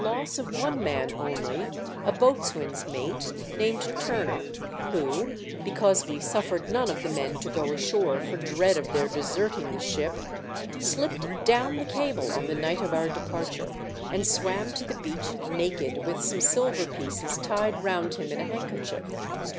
3 1 loss of one man only, a boatswain's mate, named Turner, who, because we suffered none of the men to go ashore for dread of their deserting the ship, sHpped down the cable on the night of our departure, and swam to the beach naked with some silver pieces tied round him in a handkerchief.